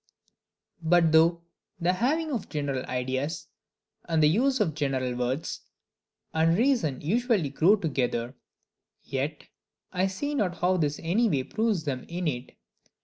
But though the having of general ideas and the use of general words and reason usually grow together, yet I see not how this any way proves them innate.